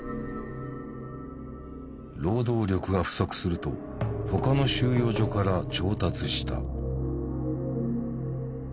労働力が不足すると他の収容所から調達した。